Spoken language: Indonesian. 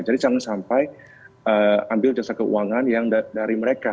jadi jangan sampai ambil jasa keuangan yang dari mereka